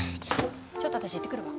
ちょっと私行ってくるわ。